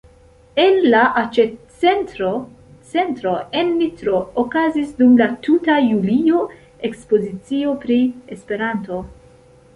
En la aĉetcentro "Centro" en Nitro okazis dum la tuta julio ekspozicio pri Esperanto.